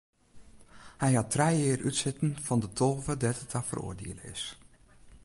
Hy hat trije jier útsitten fan de tolve dêr't er ta feroardiele is.